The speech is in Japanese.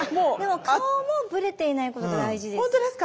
顔もブレていないことが大事です。